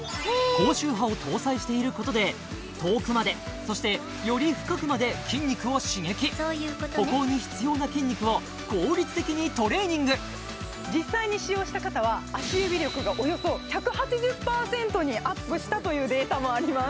高周波を搭載していることで遠くまでそしてより深くまで筋肉を刺激歩行に必要な筋肉を効率的にトレーニング実際に使用した方はしたというデータもあります